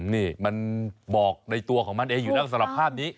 นี่มันบอกในตัวของมันเองอยู่แล้วสำหรับภาพนี้